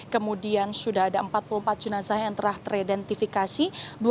kemudian sudah ada empat puluh empat jenazah yang telah teridentifikasi